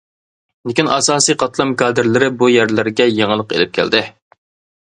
لېكىن، ئاساسىي قاتلام كادىرلىرى بۇ يەرلەرگە يېڭىلىق ئېلىپ كەلدى.